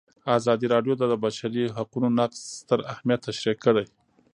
ازادي راډیو د د بشري حقونو نقض ستر اهميت تشریح کړی.